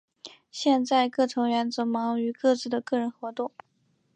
现在各成员则忙于各自的个人活动。